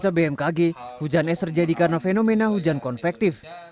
sebelum berlalu hujan es terjadi karena fenomena hujan konvektif